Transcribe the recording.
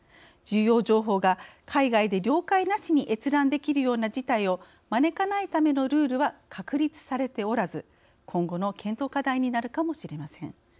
重要情報が海外で了解なしに閲覧できるような事態を招かないためのルールは確立されておらず今後の検討課題になるかもしれません。